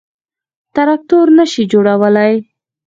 تراکتور نه شي جوړولای.